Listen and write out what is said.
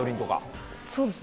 そうですね。